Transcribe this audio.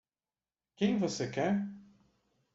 Quem você quer?